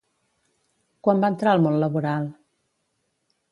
Quan va entrar al món laboral?